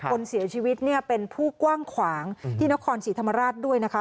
คนเสียชีวิตเนี่ยเป็นผู้กว้างขวางที่นครศรีธรรมราชด้วยนะคะ